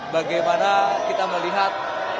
bagaimana kita melihat